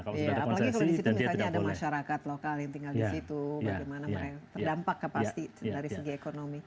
apalagi kalau di situ misalnya ada masyarakat lokal yang tinggal di situ bagaimana mereka terdampak pasti dari segi ekonomi